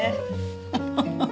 ハハハハ。